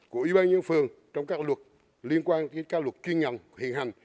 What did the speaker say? của ủy ban nhân dân phường trong các luật liên quan đến các luật chuyên nhận hiện hành